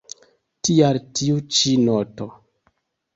Tial tiu ĉi noto.